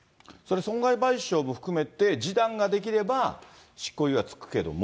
損害賠償も含めて、示談ができれば、執行猶予はつくけども。